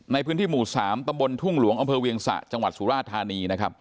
ในพื้นที่หมู่๓ตำบลทุ่งหลวงอำเภอเวียงสะจังหวัดสุราธานีนะครับ